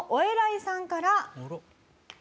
いさんから。